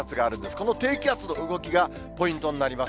この低気圧の動きが、ポイントになります。